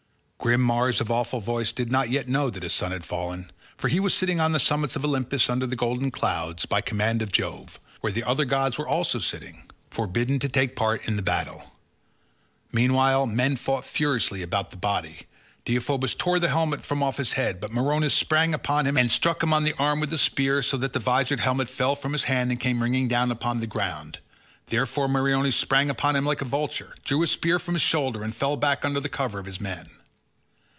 Grim Mars of awful voice did not yet know that his son had fallen, for he was sitting on the summits of Olympus under the golden clouds, by command of Jove, where the other gods were also sitting, forbidden to take part in the battle. Meanwhile men fought furiously about the body. Deiphobus tore the helmet from off his head, but Meriones sprang upon him, and struck him on the arm with a spear so that the visored helmet fell from his hand and came ringing down upon the ground. Thereon Meriones sprang upon him like a vulture, drew the spear from his shoulder, and fell back under cover of his men.